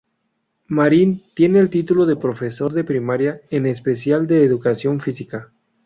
Marín tiene el título de profesor de primaria, en especial de educación física.